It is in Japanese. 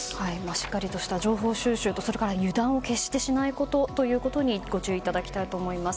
しっかりとした情報収集と油断を決してしないことにご注意いただきたいと思います。